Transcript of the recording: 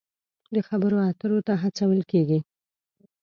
د خبرو اترو ته هڅول کیږي.